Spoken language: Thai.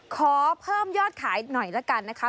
ขอเพิ่มยอดขายหน่อยละกันนะคะ